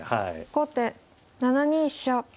後手７二飛車。